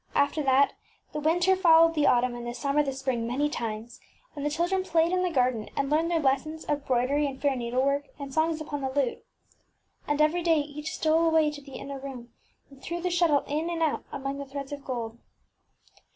After that the winter fol lowed the autumn and the summer the spring many times, and the chil dren played in the garden and learned their lessons of broidery and fair W^itt Oflleaberg needlework and songs upon the lute. And every day each stole away to the inner room, and threw the shuttle in and out among the threads of gold.